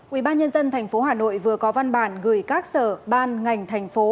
ủy ban nhân dân thành phố hà nội vừa có văn bản gửi các sở ban ngành thành phố